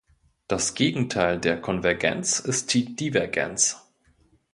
Das Gegenteil der Konvergenz ist die Divergenz.